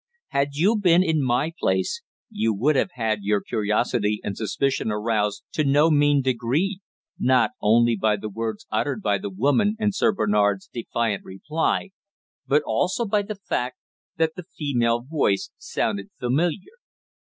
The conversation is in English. Had you been in my place you would have had your curiosity and suspicion aroused to no mean degree not only by the words uttered by the woman and Sir Bernard's defiant reply, but also by the fact that the female voice sounded familiar.